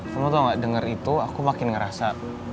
kamu gak denger itu aku makin ngerasa